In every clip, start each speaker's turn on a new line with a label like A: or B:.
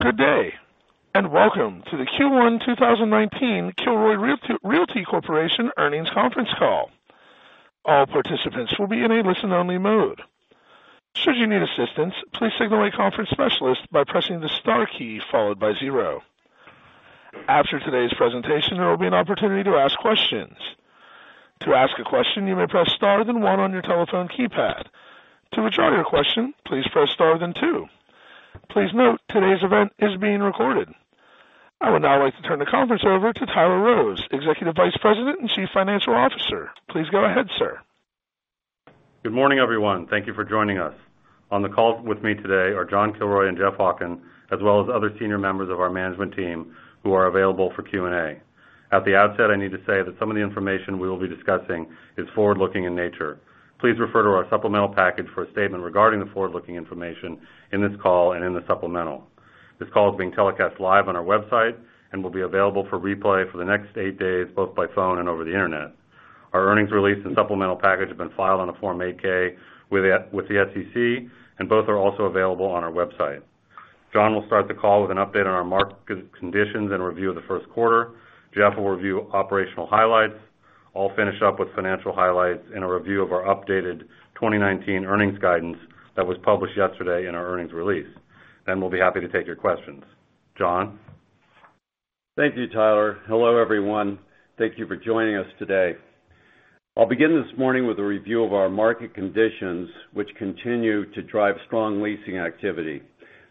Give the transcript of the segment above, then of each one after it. A: Good day. Welcome to the Q1 2019 Kilroy Realty Corporation earnings conference call. All participants will be in a listen-only mode. Should you need assistance, please signal a conference specialist by pressing the star key followed by zero. After today's presentation, there will be an opportunity to ask questions. To ask a question, you may press star then one on your telephone keypad. To withdraw your question, please press star then two. Please note, today's event is being recorded. I would now like to turn the conference over to Tyler Rose, Executive Vice President and Chief Financial Officer. Please go ahead, sir.
B: Good morning, everyone. Thank you for joining us. On the call with me today are John Kilroy and Jeffrey Hawken, as well as other senior members of our management team who are available for Q&A. At the outset, I need to say that some of the information we will be discussing is forward-looking in nature. Please refer to our supplemental package for a statement regarding the forward-looking information in this call and in the supplemental. This call is being telecast live on our website and will be available for replay for the next eight days, both by phone and over the internet. Our earnings release and supplemental package have been filed on a Form 8-K with the SEC. Both are also available on our website. John will start the call with an update on our market conditions and a review of the first quarter. Jeff will review operational highlights. I'll finish up with financial highlights and a review of our updated 2019 earnings guidance that was published yesterday in our earnings release. We'll be happy to take your questions. John?
C: Thank you, Tyler. Hello, everyone. Thank you for joining us today. I'll begin this morning with a review of our market conditions, which continue to drive strong leasing activity.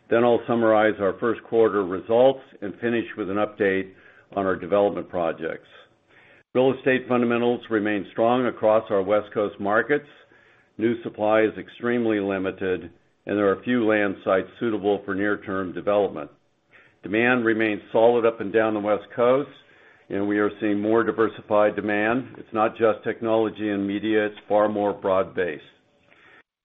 C: I'll summarize our first quarter results and finish with an update on our development projects. Real estate fundamentals remain strong across our West Coast markets. New supply is extremely limited. There are few land sites suitable for near-term development. Demand remains solid up and down the West Coast. We are seeing more diversified demand. It's not just technology and media, it's far more broad-based.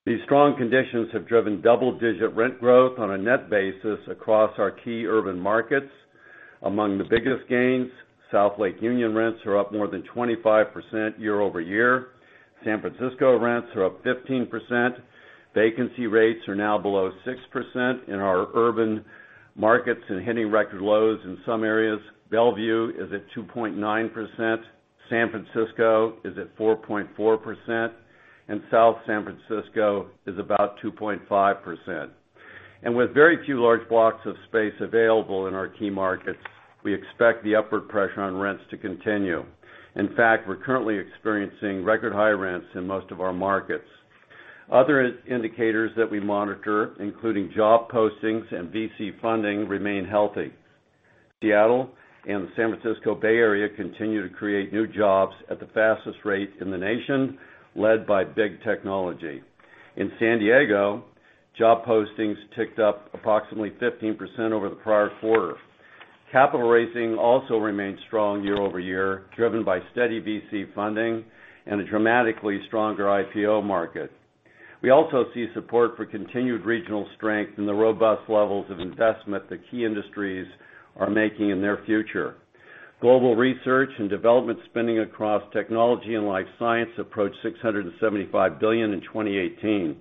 C: These strong conditions have driven double-digit rent growth on a net basis across our key urban markets. Among the biggest gains, South Lake Union rents are up more than 25% year-over-year. San Francisco rents are up 15%. Vacancy rates are now below 6% in our urban markets and hitting record lows in some areas. Bellevue is at 2.9%, San Francisco is at 4.4%, and South San Francisco is about 2.5%. With very few large blocks of space available in our key markets, we expect the upward pressure on rents to continue. In fact, we're currently experiencing record-high rents in most of our markets. Other indicators that we monitor, including job postings and VC funding, remain healthy. Seattle and the San Francisco Bay Area continue to create new jobs at the fastest rate in the nation, led by big technology. In San Diego, job postings ticked up approximately 15% over the prior quarter. Capital raising also remains strong year-over-year, driven by steady VC funding and a dramatically stronger IPO market. We also see support for continued regional strength in the robust levels of investment that key industries are making in their future. Global research and development spending across technology and life science approached $675 billion in 2018.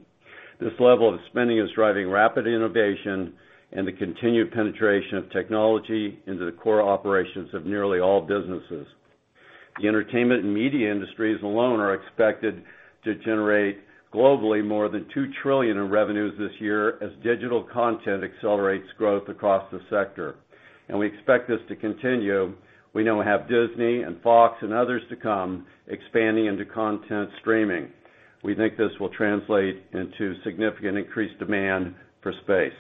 C: This level of spending is driving rapid innovation and the continued penetration of technology into the core operations of nearly all businesses. The entertainment and media industries alone are expected to generate globally more than $2 trillion in revenues this year as digital content accelerates growth across the sector. We expect this to continue. We now have Disney and Fox and others to come, expanding into content streaming. We think this will translate into significant increased demand for space.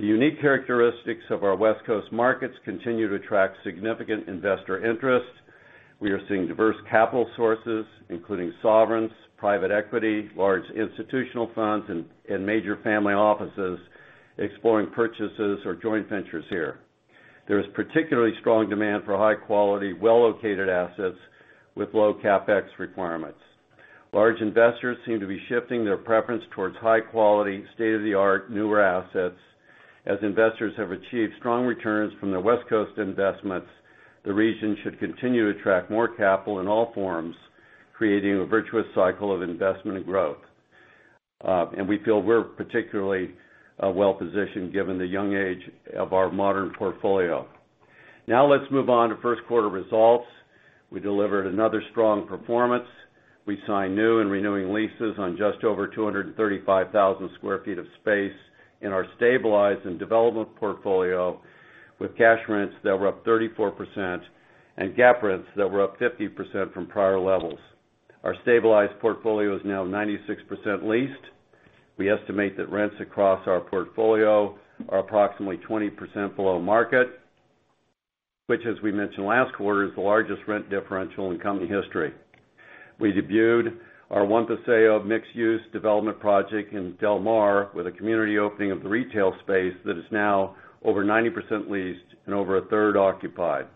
C: The unique characteristics of our West Coast markets continue to attract significant investor interest. We are seeing diverse capital sources, including sovereigns, private equity, large institutional funds, and major family offices exploring purchases or joint ventures here. There is particularly strong demand for high-quality, well-located assets with low CapEx requirements. Large investors seem to be shifting their preference towards high-quality, state-of-the-art, newer assets. As investors have achieved strong returns from their West Coast investments, the region should continue to attract more capital in all forms, creating a virtuous cycle of investment and growth. We feel we're particularly well-positioned given the young age of our modern portfolio. Now let's move on to first quarter results. We delivered another strong performance. We signed new and renewing leases on just over 235,000 square feet of space in our stabilized and development portfolio, with cash rents that were up 34% and GAAP rents that were up 50% from prior levels. Our stabilized portfolio is now 96% leased. We estimate that rents across our portfolio are approximately 20% below market, which, as we mentioned last quarter, is the largest rent differential in company history. We debuted our One Paseo mixed-use development project in Del Mar with a community opening of the retail space that is now over 90% leased and over a third occupied.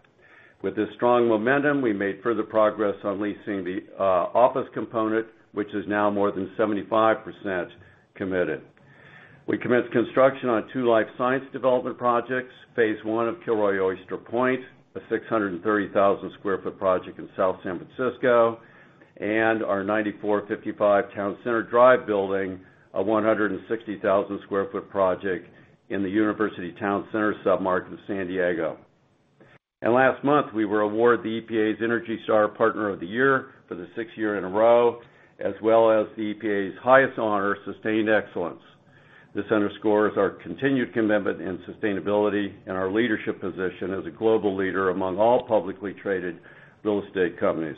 C: With this strong momentum, we made further progress on leasing the office component, which is now more than 75% committed. We commenced construction on two life science development projects, phase 1 of Kilroy Oyster Point, a 630,000-square-foot project in South San Francisco. Our 19455 Town Center Drive building, a 160,000-square-foot project in the University Town Center submarket of San Diego. Last month, we were awarded the EPA's ENERGY STAR Partner of the Year for the sixth year in a row, as well as the EPA's highest honor, Sustained Excellence Award. This underscores our continued commitment in sustainability and our leadership position as a global leader among all publicly traded real estate companies.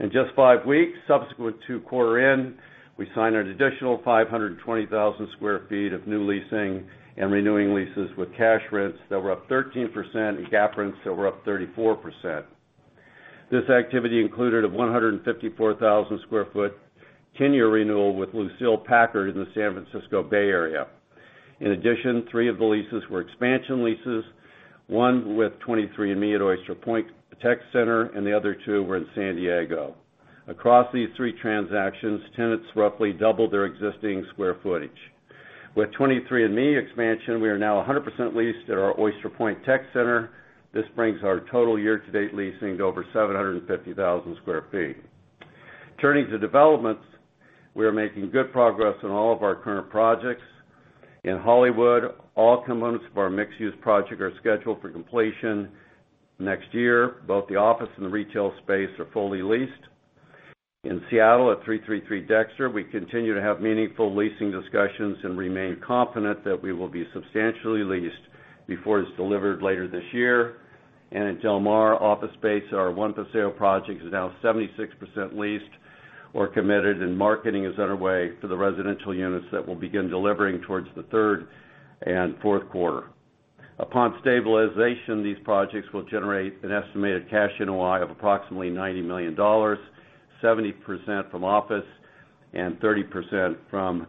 C: In just five weeks subsequent to quarter end, we signed an additional 520,000 square feet of new leasing and renewing leases with cash rents that were up 13% and GAAP rents that were up 34%. This activity included a 154,000 square foot ten-year renewal with Lucile Packard in the San Francisco Bay Area. In addition, three of the leases were expansion leases, one with 23andMe at Oyster Point Tech Center, and the other two were in San Diego. Across these three transactions, tenants roughly doubled their existing square footage. With 23andMe expansion, we are now 100% leased at our Oyster Point Tech Center. This brings our total year-to-date leasing to over 750,000 square feet. Turning to developments, we are making good progress on all of our current projects. In Hollywood, all components of our mixed-use project are scheduled for completion next year. Both the office and the retail space are fully leased. In Seattle at 333 Dexter, we continue to have meaningful leasing discussions and remain confident that we will be substantially leased before it's delivered later this year. In Del Mar office space, our One Paseo project is now 76% leased or committed, and marketing is underway for the residential units that will begin delivering towards the third and fourth quarter. Upon stabilization, these projects will generate an estimated cash NOI of approximately $90 million, 70% from office and 30% from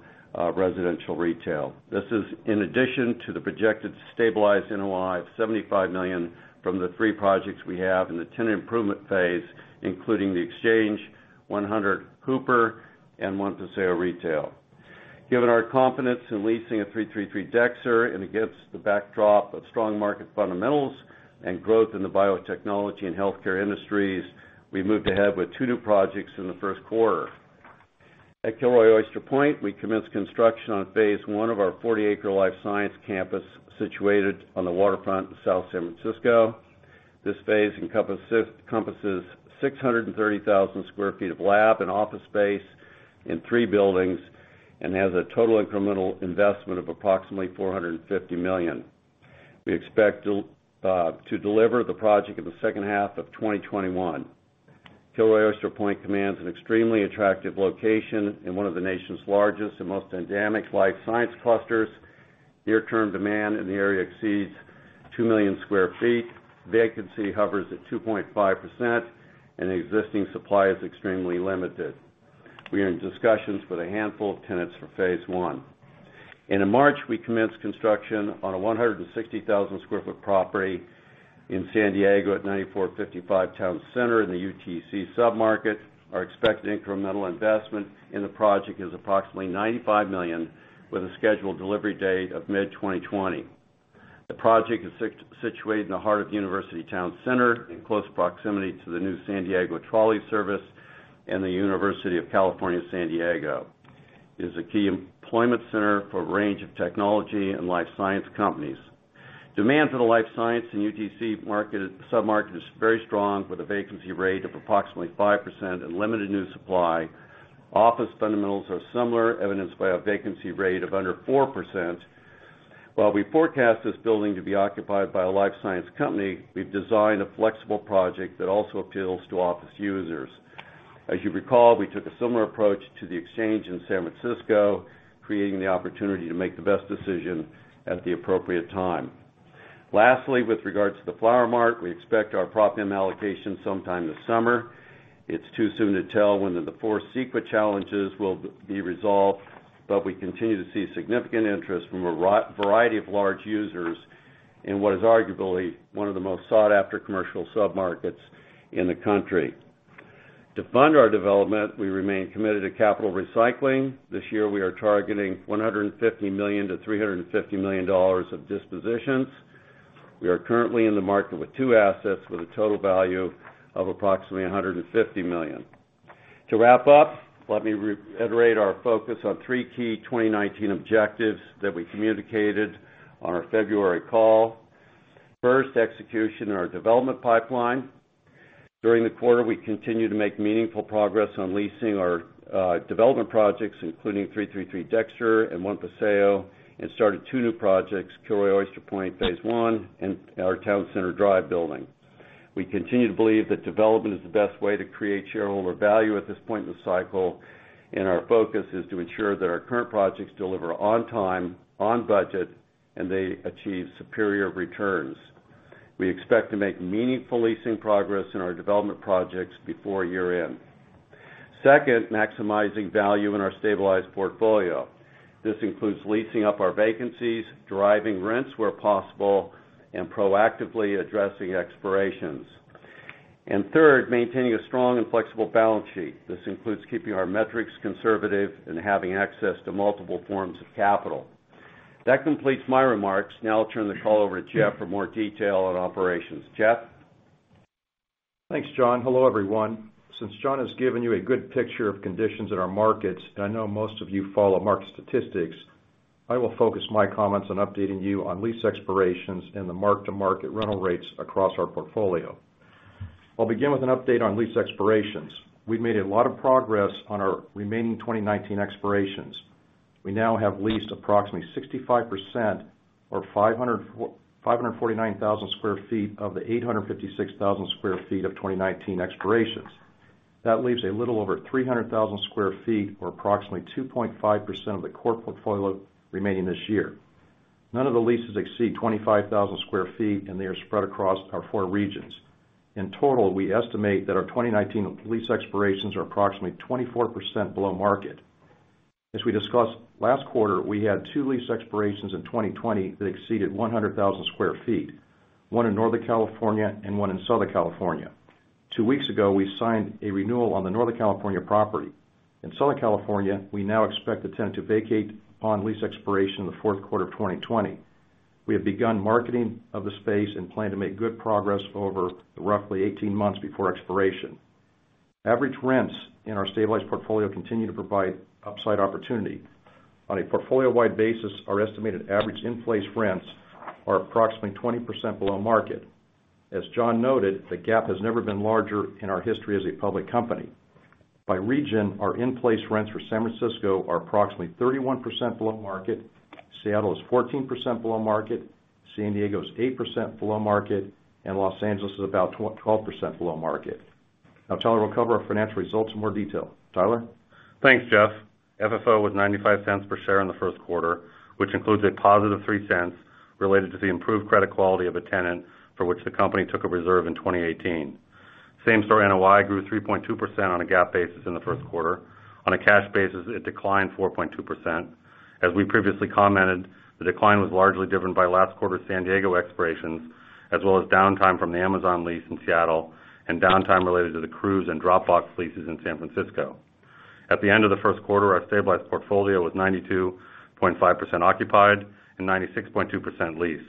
C: residential retail. This is in addition to the projected stabilized NOI of $75 million from the three projects we have in the tenant improvement phase, including The Exchange, 100 Hooper, and One Paseo Retail. Given our confidence in leasing at 333 Dexter and against the backdrop of strong market fundamentals and growth in the biotechnology and healthcare industries, we moved ahead with two new projects in the first quarter. At Kilroy Oyster Point, we commenced construction on phase 1 of our 40-acre life science campus situated on the waterfront in South San Francisco. This phase encompasses 630,000 square feet of lab and office space in three buildings and has a total incremental investment of approximately $450 million. We expect to deliver the project in the second half of 2021. Kilroy Oyster Point commands an extremely attractive location in one of the nation's largest and most endemic life science clusters. Near-term demand in the area exceeds 2 million square feet. Vacancy hovers at 2.5%, and existing supply is extremely limited. We are in discussions with a handful of tenants for phase 1. In March, we commenced construction on a 160,000 square foot property in San Diego at 19455 Town Center in the UTC submarket. Our expected incremental investment in the project is approximately $95 million, with a scheduled delivery date of mid-2020. The project is situated in the heart of University Town Center in close proximity to the new San Diego trolley service and the University of California San Diego. It is a key employment center for a range of technology and life science companies. Demand for the life science in UTC submarket is very strong, with a vacancy rate of approximately 5% and limited new supply. Office fundamentals are similar, evidenced by a vacancy rate of under 4%. While we forecast this building to be occupied by a life science company, we've designed a flexible project that also appeals to office users. As you recall, we took a similar approach to The Exchange in San Francisco, creating the opportunity to make the best decision at the appropriate time. Lastly, with regards to The Flower Mart, we expect our Prop M allocation sometime this summer. It's too soon to tell whether the four CEQA challenges will be resolved. We continue to see significant interest from a variety of large users in what is arguably one of the most sought-after commercial submarkets in the country. To fund our development, we remain committed to capital recycling. This year, we are targeting $150 million to $350 million of dispositions. We are currently in the market with two assets with a total value of approximately $150 million. To wrap up, let me reiterate our focus on three key 2019 objectives that we communicated on our February call. First, execution in our development pipeline. During the quarter, we continued to make meaningful progress on leasing our development projects, including 333 Dexter and One Paseo, and started two new projects, Kilroy Oyster Point Phase One and our Town Center Drive building. We continue to believe that development is the best way to create shareholder value at this point in the cycle. Our focus is to ensure that our current projects deliver on time, on budget, and they achieve superior returns. We expect to make meaningful leasing progress in our development projects before year-end. Second, maximizing value in our stabilized portfolio. This includes leasing up our vacancies, deriving rents where possible, and proactively addressing expirations. Third, maintaining a strong and flexible balance sheet. This includes keeping our metrics conservative and having access to multiple forms of capital.
B: That completes my remarks. Now I'll turn the call over to Jeff for more detail on operations. Jeff?
D: Thanks, John. Hello, everyone. Since John has given you a good picture of conditions in our markets, and I know most of you follow market statistics, I will focus my comments on updating you on lease expirations and the mark-to-market rental rates across our portfolio. I'll begin with an update on lease expirations. We've made a lot of progress on our remaining 2019 expirations. We now have leased approximately 65%, or 549,000 square feet of the 856,000 square feet of 2019 expirations. That leaves a little over 300,000 square feet, or approximately 2.5% of the core portfolio remaining this year. None of the leases exceed 25,000 square feet, and they are spread across our four regions. In total, we estimate that our 2019 lease expirations are approximately 24% below market. As we discussed last quarter, we had two lease expirations in 2020 that exceeded 100,000 sq ft, one in Northern California and one in Southern California. Two weeks ago, we signed a renewal on the Northern California property. In Southern California, we now expect the tenant to vacate upon lease expiration in the fourth quarter of 2020. We have begun marketing of the space and plan to make good progress over the roughly 18 months before expiration. Average rents in our stabilized portfolio continue to provide upside opportunity. On a portfolio-wide basis, our estimated average in-place rents are approximately 20% below market. As John noted, the gap has never been larger in our history as a public company. By region, our in-place rents for San Francisco are approximately 31% below market, Seattle is 14% below market, San Diego is 8% below market, and Los Angeles is about 12% below market. Tyler will cover our financial results in more detail. Tyler?
B: Thanks, Jeff. FFO was $0.95 per share in the first quarter, which includes a positive $0.03 related to the improved credit quality of a tenant for which the company took a reserve in 2018. Same store NOI grew 3.2% on a GAAP basis in the first quarter. On a cash basis, it declined 4.2%. As we previously commented, the decline was largely driven by last quarter's San Diego expirations, as well as downtime from the Amazon lease in Seattle and downtime related to the Cruise and Dropbox leases in San Francisco. At the end of the first quarter, our stabilized portfolio was 92.5% occupied and 96.2% leased.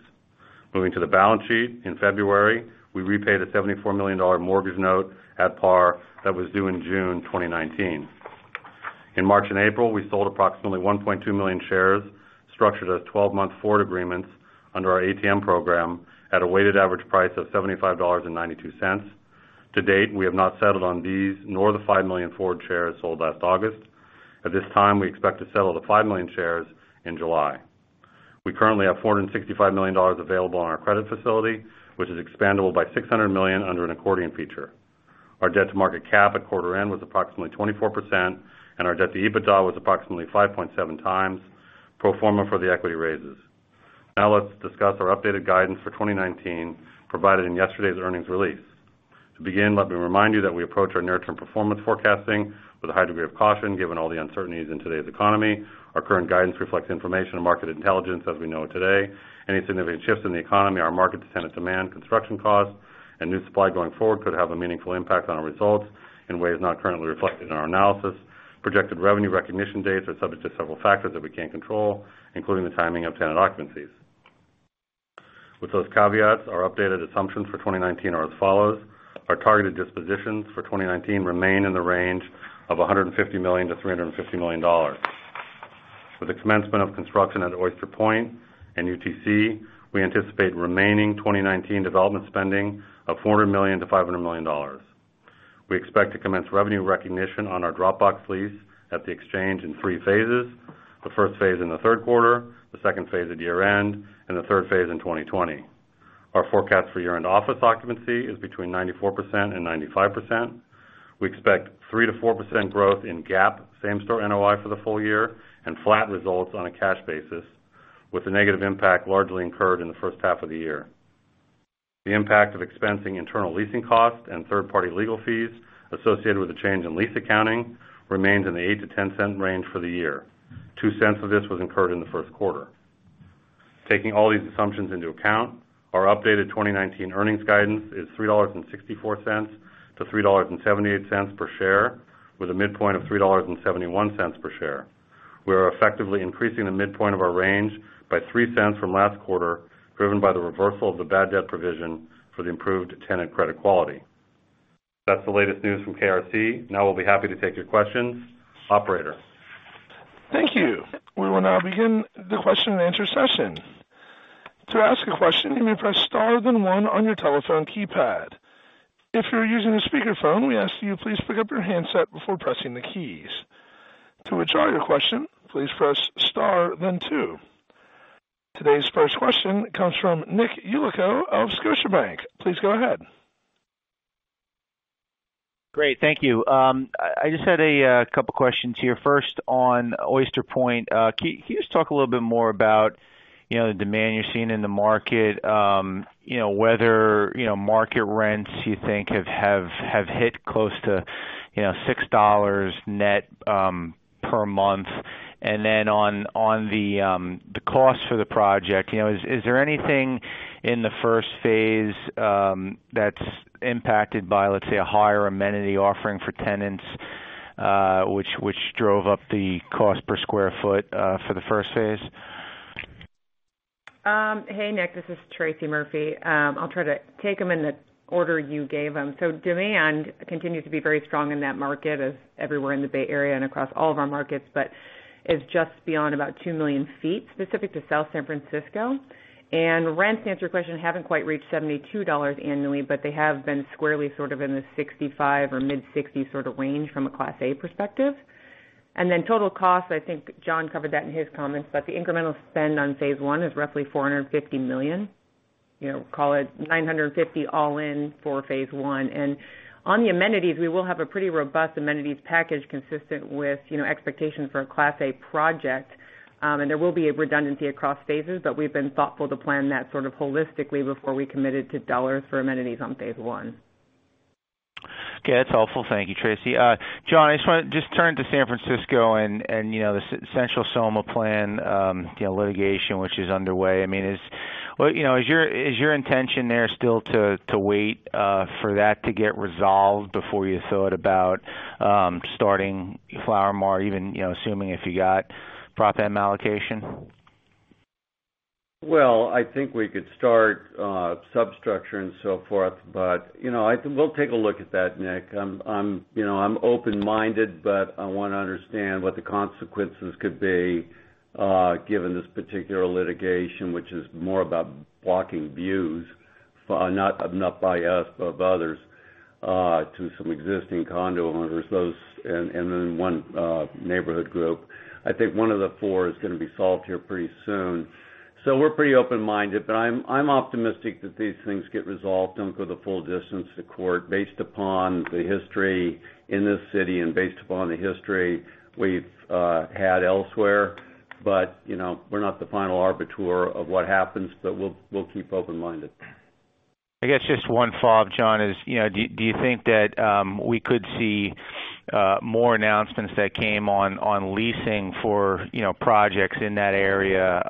B: Moving to the balance sheet, in February, we repaid a $74 million mortgage note at par that was due in June 2019. In March and April, we sold approximately 1.2 million shares, structured as 12-month forward agreements under our ATM program, at a weighted average price of $75.92. To date, we have not settled on these nor the 5 million forward shares sold last August. At this time, we expect to settle the 5 million shares in July. We currently have $465 million available on our credit facility, which is expandable by $600 million under an accordion feature. Our debt to market cap at quarter end was approximately 24%, and our debt to EBITDA was approximately 5.7 times, pro forma for the equity raises. Let's discuss our updated guidance for 2019 provided in yesterday's earnings release. To begin, let me remind you that we approach our near-term performance forecasting with a high degree of caution, given all the uncertainties in today's economy. Our current guidance reflects information and market intelligence as we know it today. Any significant shifts in the economy, our market tenant demand, construction costs, and new supply going forward could have a meaningful impact on our results in ways not currently reflected in our analysis. Projected revenue recognition dates are subject to several factors that we can't control, including the timing of tenant occupancies. With those caveats, our updated assumptions for 2019 are as follows. Our targeted dispositions for 2019 remain in the range of $150 million-$350 million. With the commencement of construction at Oyster Point and UTC, we anticipate remaining 2019 development spending of $400 million-$500 million. We expect to commence revenue recognition on our Dropbox lease at The Exchange in 3 phases, the first phase in the third quarter, the second phase at year-end, and the third phase in 2020. Our forecast for year-end office occupancy is between 94%-95%. We expect 3%-4% growth in GAAP same store NOI for the full year and flat results on a cash basis, with the negative impact largely incurred in the first half of the year. The impact of expensing internal leasing costs and third-party legal fees associated with the change in lease accounting remains in the $0.08-$0.10 range for the year. $0.02 of this was incurred in the first quarter. Taking all these assumptions into account, our updated 2019 earnings guidance is $3.64-$3.78 per share, with a midpoint of $3.71 per share. We are effectively increasing the midpoint of our range by $0.03 from last quarter, driven by the reversal of the bad debt provision for the improved tenant credit quality. That's the latest news from KRC. We'll be happy to take your questions. Operator?
A: Thank you. We will now begin the question-and-answer session. To ask a question, you may press star then one on your telephone keypad. If you're using a speakerphone, we ask you please pick up your handset before pressing the keys. To withdraw your question, please press star then two. Today's first question comes from Nicholas Yulico of Scotiabank. Please go ahead.
E: Great, thank you. I just had a couple questions here. First, on Oyster Point. Can you just talk a little more about the demand you're seeing in the market, whether market rents you think have hit close to $6 net per month? Then on the cost for the project, is there anything in the first phase that's impacted by, let's say, a higher amenity offering for tenants? Which drove up the cost per square foot for the first phase?
F: Hey, Nicholas, this is Tracy Murphy. I'll try to take them in the order you gave them. Demand continues to be very strong in that market, as everywhere in the Bay Area and across all of our markets, but is just beyond about 2 million feet, specific to South San Francisco. Rents, to answer your question, haven't quite reached $72 annually, but they have been squarely sort of in the 65 or mid-60s sort of range from a Class A perspective. Then total cost, I think John covered that in his comments, but the incremental spend on phase one is roughly $450 million. Call it $950 all-in for phase one. On the amenities, we will have a pretty robust amenities package consistent with expectations for a Class A project. There will be a redundancy across phases, but we've been thoughtful to plan that sort of holistically before we committed to dollars for amenities on phase one.
E: Okay, that's helpful. Thank you, Tracy. John, I just want to just turn to San Francisco and the Central SoMa plan litigation, which is underway. Is your intention there still to wait for that to get resolved before you thought about starting Flower Mart, even assuming if you got Prop M allocation?
C: I think we could start substructure and so forth, but we'll take a look at that, Nicholas. I'm open-minded, but I want to understand what the consequences could be given this particular litigation, which is more about blocking views, not by us, of others to some existing condo owners, and then one neighborhood group. I think one of the four is going to be solved here pretty soon. We're pretty open-minded, but I'm optimistic that these things get resolved, don't go the full distance to court based upon the history in this city and based upon the history we've had elsewhere. We're not the final arbiter of what happens, but we'll keep open-minded.
E: I guess just one follow-up, John, is do you think that we could see more announcements that came on leasing for projects in that area,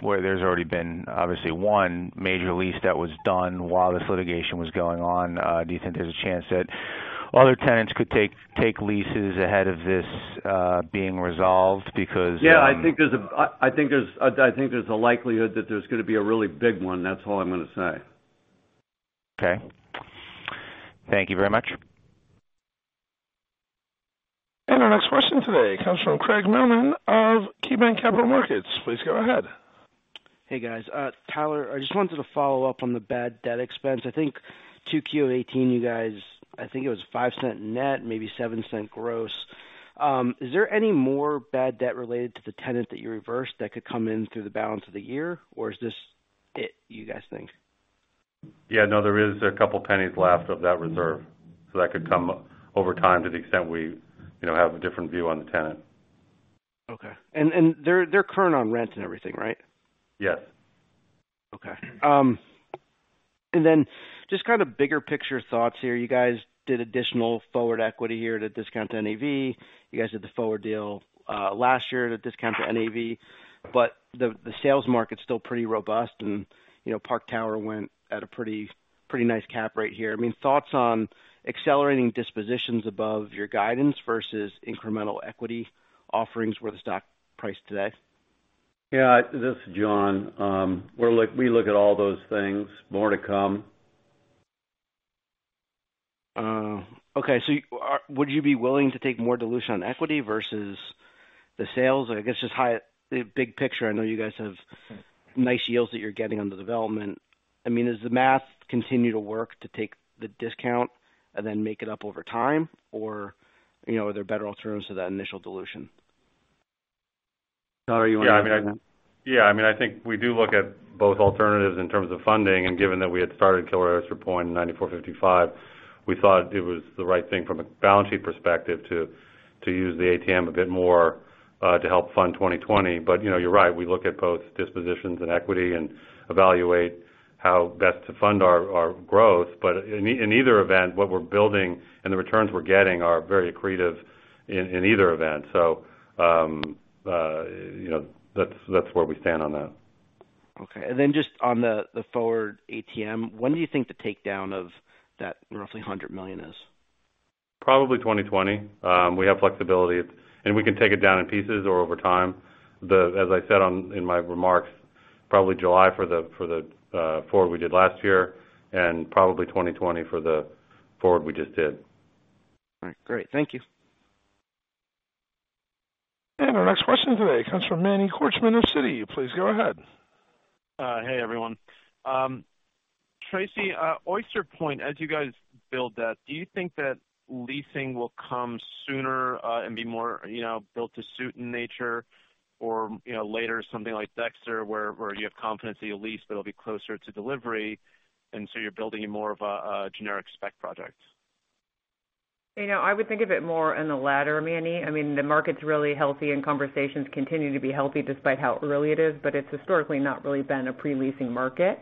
E: where there's already been obviously one major lease that was done while this litigation was going on? Do you think there's a chance that other tenants could take leases ahead of this being resolved because-
C: Yeah, I think there's a likelihood that there's going to be a really big one. That's all I'm going to say.
E: Okay. Thank you very much.
A: Our next question today comes from Craig Mailman of KeyBanc Capital Markets. Please go ahead.
G: Hey, guys. Tyler, I just wanted to follow up on the bad debt expense. I think 2Q 2018, you guys, I think it was $0.05 net, maybe $0.07 gross. Is there any more bad debt related to the tenant that you reversed that could come in through the balance of the year? Or is this it, you guys think?
B: Yeah, no, there is a couple pennies left of that reserve. That could come over time to the extent we have a different view on the tenant.
G: Okay. They're current on rent and everything, right?
B: Yes.
G: Okay. Just kind of bigger picture thoughts here. You guys did additional forward equity here to discount to NAV. You guys did the forward deal last year to discount to NAV. The sales market's still pretty robust, and Park Tower went at a pretty nice cap rate here. Thoughts on accelerating dispositions above your guidance versus incremental equity offerings for the stock price today?
C: Yeah, this is John. We look at all those things. More to come.
G: Okay. Would you be willing to take more dilution on equity versus the sales? I guess just big picture, I know you guys have nice yields that you're getting on the development. Does the math continue to work to take the discount and then make it up over time? Are there better alternatives to that initial dilution?
B: Yeah. I think we do look at both alternatives in terms of funding, and given that we had started Kilroy Oyster Point in 19455, we thought it was the right thing from a balance sheet perspective to use the ATM a bit more to help fund 2020. You're right, we look at both dispositions and equity and evaluate how best to fund our growth. In either event, what we're building and the returns we're getting are very accretive in either event. That's where we stand on that.
G: Okay. Then just on the forward ATM, when do you think the takedown of that roughly $100 million is?
B: Probably 2020. We have flexibility, we can take it down in pieces or over time. As I said in my remarks, probably July for the forward we did last year, probably 2020 for the forward we just did.
G: All right, great. Thank you.
A: Our next question today comes from Manny Korchman of Citi. Please go ahead.
H: Hey, everyone. Tracy, Oyster Point, as you guys build that, do you think that leasing will come sooner and be more built to suit in nature or later something like Dexter, where you have confidence that you lease that'll be closer to delivery, and so you're building more of a generic spec project? I would think of it more in the latter, Manny. The market's really healthy and conversations continue to be healthy despite how early it is, it's historically not really been a pre-leasing market.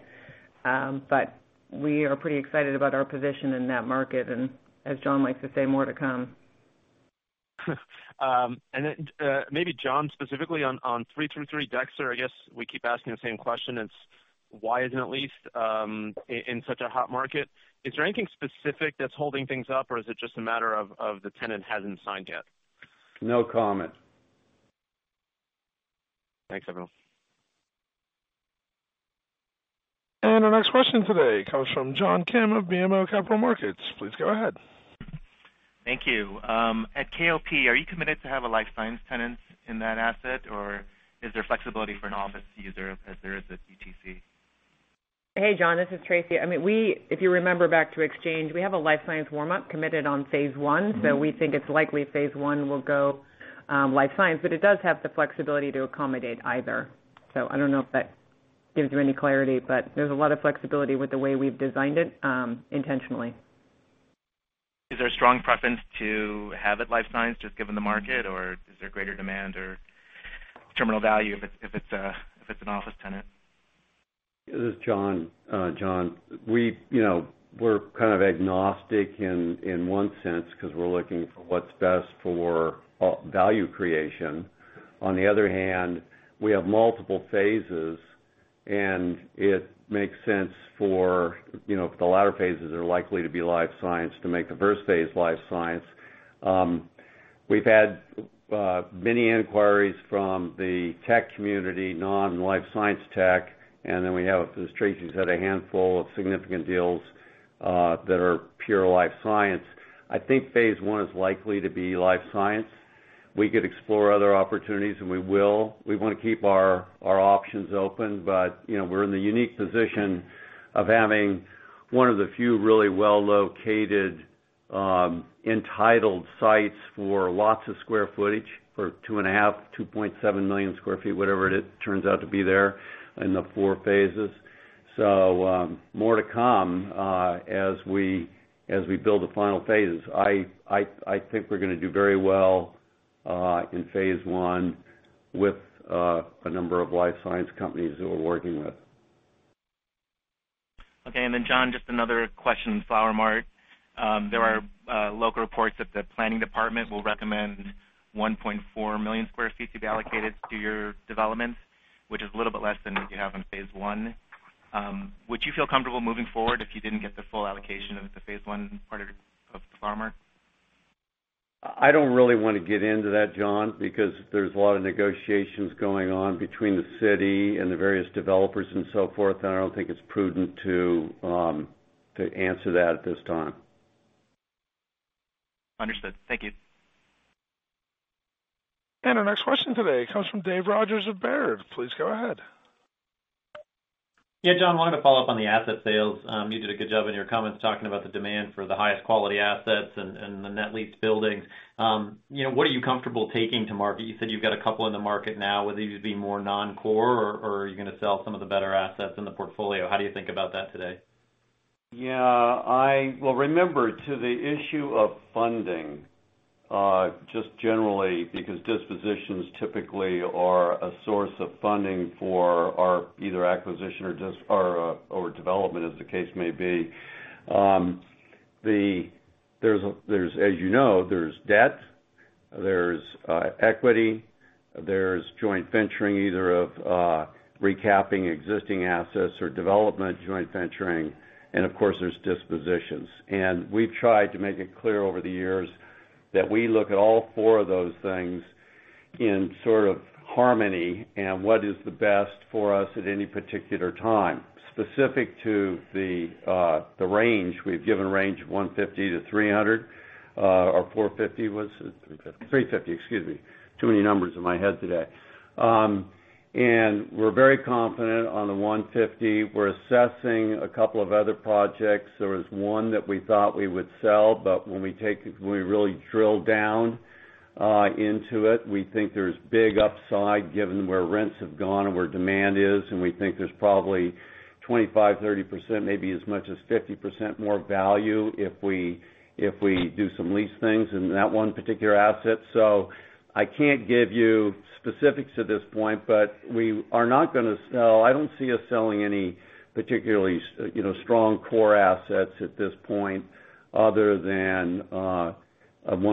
H: We are pretty excited about our position in that market, and as John likes to say, more to come. Maybe John specifically on 333 Dexter, I guess we keep asking the same question, it's why isn't it leased in such a hot market? Is there anything specific that's holding things up, or is it just a matter of the tenant hasn't signed yet?
C: No comment.
H: Thanks, everyone.
A: Our next question today comes from John Kim of BMO Capital Markets. Please go ahead.
I: Thank you. At KOP, are you committed to have a life science tenant in that asset, or is there flexibility for an office user as there is at DTC?
F: Hey, John, this is Tracy. If you remember back to Exchange, we have a life science warm shell committed on phase 1. We think it's likely phase 1 will go life science. It does have the flexibility to accommodate either. I don't know if that gives you any clarity, but there's a lot of flexibility with the way we've designed it, intentionally.
I: Is there a strong preference to have it life science, just given the market, or is there greater demand or terminal value if it's an office tenant?
C: This is John. John, we're kind of agnostic in one sense because we're looking for what's best for value creation. On the other hand, we have multiple phases, and it makes sense for the latter phases that are likely to be life science to make the first phase life science. We've had many inquiries from the tech community, non-life science tech, and then we have, as Tracy said, a handful of significant deals that are pure life science. I think phase one is likely to be life science. We could explore other opportunities, and we will. We want to keep our options open. But we're in the unique position of having one of the few really well-located, entitled sites for lots of square footage for 2.5, 2.7 million sq ft, whatever it turns out to be there in the four phases. More to come as we build the final phases. I think we're going to do very well in phase one with a number of life science companies that we're working with.
I: Okay. John, just another question on Flower Mart. There are local reports that the planning department will recommend 1.4 million sq ft to be allocated to your developments, which is a little bit less than what you have in phase one. Would you feel comfortable moving forward if you didn't get the full allocation of the phase one part of Flower Mart?
C: I don't really want to get into that, John, because there's a lot of negotiations going on between the city and the various developers and so forth, and I don't think it's prudent to answer that at this time.
I: Understood. Thank you.
A: Our next question today comes from Dave Rodgers of Baird. Please go ahead.
J: Yeah, John. Wanted to follow up on the asset sales. You did a good job in your comments talking about the demand for the highest quality assets and the net leased buildings. What are you comfortable taking to market? You said you've got a couple in the market now. Would these be more non-core, or are you going to sell some of the better assets in the portfolio? How do you think about that today?
C: Yeah. Well, remember, to the issue of funding, just generally because dispositions typically are a source of funding for our either acquisition or development, as the case may be. As you know, there's debt, there's equity, there's joint venturing, either of recapping existing assets or development joint venturing, of course, there's dispositions. We've tried to make it clear over the years that we look at all four of those things in sort of harmony and what is the best for us at any particular time. Specific to the range, we've given a range of 150 to 300, or 450 was it? 350, excuse me. Too many numbers in my head today. We're very confident on the 150. We're assessing a couple of other projects. There was one that we thought we would sell, when we really drilled down into it, we think there's big upside given where rents have gone and where demand is, and we think there's probably 25%, 30%, maybe as much as 50% more value if we do some lease things in that one particular asset. I can't give you specifics at this point, but we are not going to sell. I don't see us selling any particularly strong core assets at this point other than one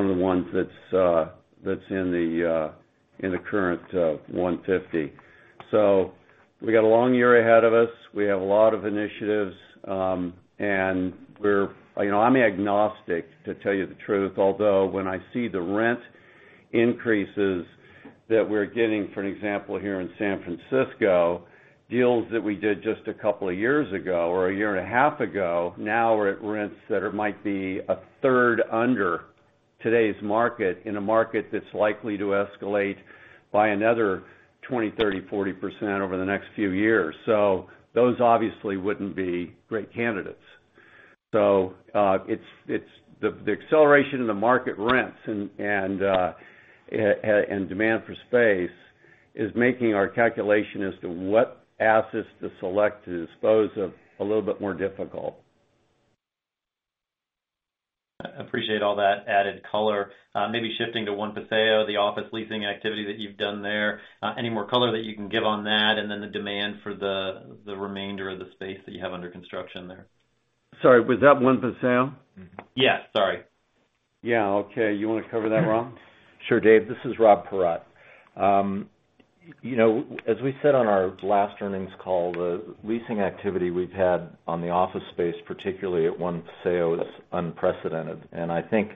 C: of the ones that's in the current 150. We got a long year ahead of us. We have a lot of initiatives. I'm agnostic, to tell you the truth, although when I see the rent increases that we're getting, for an example, here in San Francisco, deals that we did just a couple of years ago or a year and a half ago, now we're at rents that are might be a third under today's market in a market that's likely to escalate by another 20%, 30%, 40% over the next few years. Those obviously wouldn't be great candidates. The acceleration in the market rents and demand for space is making our calculation as to what assets to select to dispose of a little bit more difficult.
J: I appreciate all that added color. Maybe shifting to One Paseo, the office leasing activity that you've done there. Any more color that you can give on that, and then the demand for the remainder of the space that you have under construction there?
D: Sorry, was that One Paseo?
J: Yes. Sorry.
D: Yeah. Okay. You want to cover that, Rob?
K: Sure, Dave. This is Robert Paratte. As we said on our last earnings call, the leasing activity we've had on the office space, particularly at One Paseo, is unprecedented. I think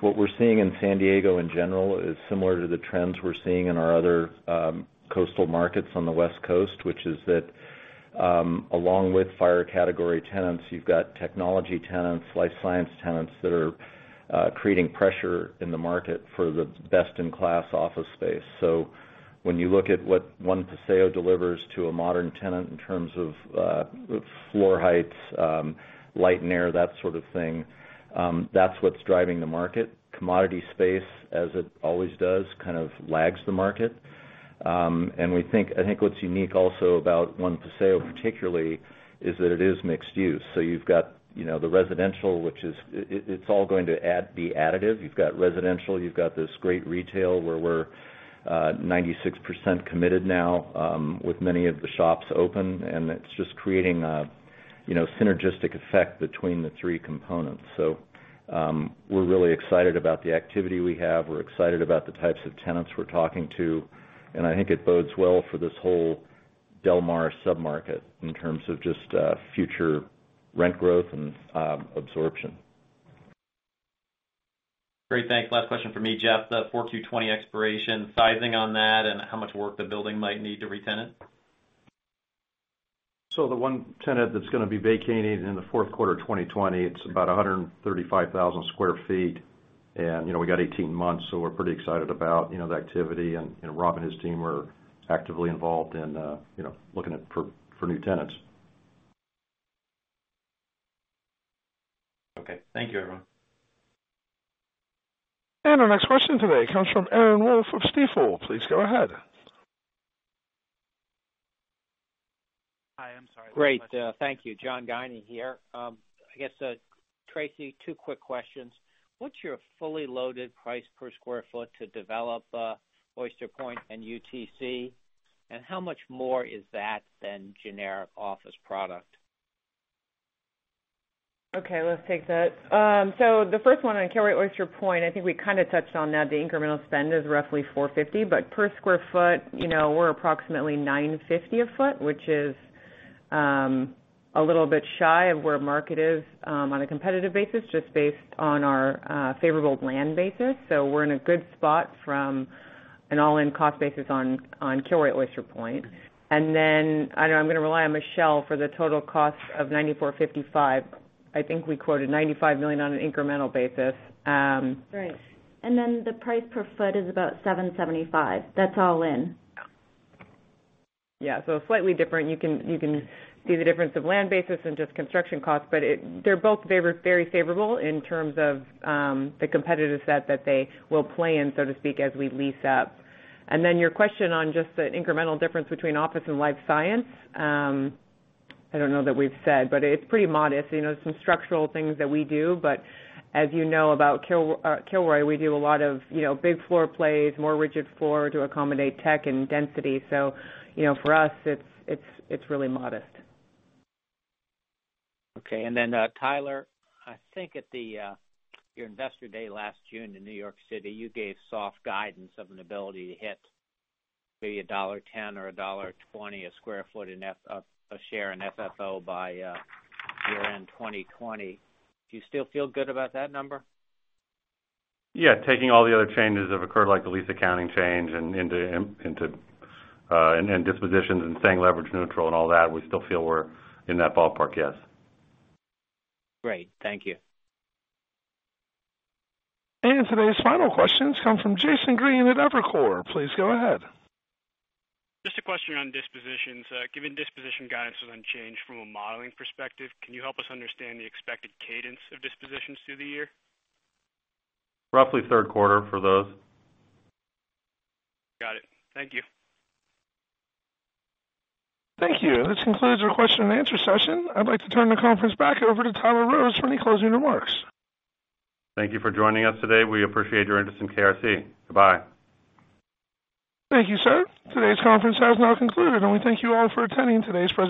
K: what we're seeing in San Diego in general is similar to the trends we're seeing in our other coastal markets on the West Coast, which is that, along with FIRE category tenants, you've got technology tenants, life science tenants that are creating pressure in the market for the best-in-class office space. When you look at what One Paseo delivers to a modern tenant in terms of floor heights, light and air, that sort of thing, that's what's driving the market. Commodity space, as it always does, kind of lags the market. I think what's unique also about One Paseo particularly, is that it is mixed-use. You've got the residential. It's all going to be additive. You've got residential, you've got this great retail where we're 96% committed now, with many of the shops open. It's just creating a synergistic effect between the three components. We're really excited about the activity we have. We're excited about the types of tenants we're talking to, and I think it bodes well for this whole Del Mar sub-market in terms of just future rent growth and absorption.
J: Great. Thanks. Last question from me, Jeff. The 4Q 2020 expiration, sizing on that, and how much work the building might need to re-tenant?
D: The one tenant that's going to be vacating in the fourth quarter 2020, it's about 135,000 sq ft. We got 18 months, so we're pretty excited about the activity, and Robert and his team are actively involved in looking for new tenants.
J: Okay. Thank you, everyone.
A: Our next question today comes from Erin Wolfe of Stifel. Please go ahead.
L: Hi, Great. Thank you. John Guinee here. I guess, Tracy, two quick questions. What's your fully loaded price per square foot to develop Oyster Point and UTC? How much more is that than generic office product?
F: Okay, let's take that. The first one on Kilroy Oyster Point, I think we kind of touched on that. The incremental spend is roughly $450, but per square foot, we're approximately $950 a foot, which is a little bit shy of where market is on a competitive basis, just based on our favorable land basis. We're in a good spot from an all-in cost basis on Kilroy Oyster Point. I know I'm going to rely on Michelle for the total cost of 19455. I think we quoted $95 million on an incremental basis.
M: Right. The price per foot is about $775. That's all in.
F: Yeah. Slightly different. You can see the difference of land basis and just construction costs, they're both very favorable in terms of the competitive set that they will play in, so to speak, as we lease up. Your question on just the incremental difference between office and life science. I don't know that we've said, it's pretty modest. Some structural things that we do. As you know, about Kilroy, we do a lot of big floor plates, more rigid floor to accommodate tech and density. For us, it's really modest.
L: Okay. Then, Tyler, I think at your Investor Day last June in New York Citi, you gave soft guidance of an ability to hit maybe $1.10 or $1.20 a square foot of share in FFO by year-end 2020. Do you still feel good about that number?
D: Yeah. Taking all the other changes that have occurred, like the lease accounting change, and dispositions and staying leverage neutral and all that, we still feel we're in that ballpark, yes.
L: Great. Thank you.
A: Today's final questions come from Jason Green at Evercore. Please go ahead.
N: Just a question on dispositions. Given disposition guidance was unchanged from a modeling perspective, can you help us understand the expected cadence of dispositions through the year?
D: Roughly third quarter for those.
N: Got it. Thank you.
A: Thank you. This concludes our question and answer session. I'd like to turn the conference back over to Tyler Rose for any closing remarks.
B: Thank you for joining us today. We appreciate your interest in KRC. Goodbye.
A: Thank you, sir. Today's conference has now concluded, we thank you all for attending today's presentation.